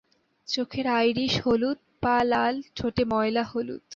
চোখের আইরিস হলুদ, পা লাল, ঠোঁট ময়লা হলুদ।